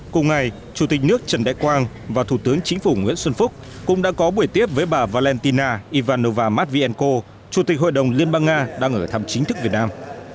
cùng ngày chủ tịch nước trần đại quang và thủ tướng chính phủ nguyễn xuân phúc cũng đã có buổi tiếp với bà valentina ivanova matvienko chủ tịch hội đồng liên bang nga đang ở thăm chính thức việt nam